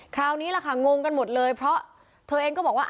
คราวนี้แหละค่ะงงกันหมดเลยเพราะเธอเองก็บอกว่า